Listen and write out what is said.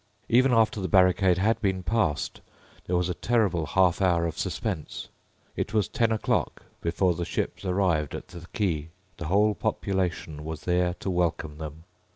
Even after the barricade had been passed, there was a terrible half hour of suspense. It was ten o'clock before the ships arrived at the quay. The whole population was there to welcome them.